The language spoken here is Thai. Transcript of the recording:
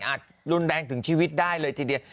รุนแรงถึงชีวิตได้เลยทีเดียว